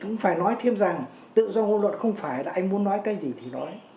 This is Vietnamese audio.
chúng phải nói thêm rằng tự do ngôn luận không phải là anh muốn nói cái gì thì nói